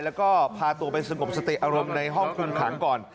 แล้วก็พาตัวไปสงบสติอารมณ์ในห้องคุมขังก่อน